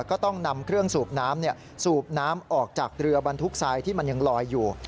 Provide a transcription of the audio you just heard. ก็ต้องนำเครื่องสูบน้ำสูบน้ำออกจากเรือบรรทุกทรายที่มันยังลอยอยู่